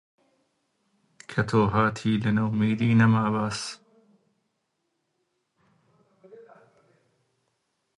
من دەڵێم: نا هەر ئێستە وەختە!